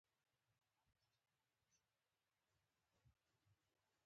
د قانون پر وړاندې د برابرۍ حق شته.